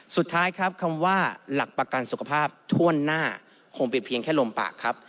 สุดท้ายครับคำว่าหลักประกันสุขภาพถ้วนหน้าคงเป็นเพียงแค่ลมปากครับ